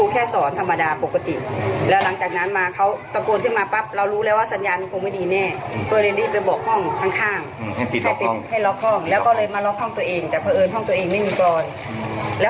ก็ได้แค่ต้านแล้วก็ยื้อ